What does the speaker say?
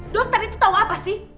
dokter itu tahu apa sih